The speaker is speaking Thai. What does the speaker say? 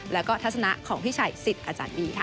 แล้วก็ทัศนะของพี่ชัยสิทธิ์อาจารย์บีค่ะ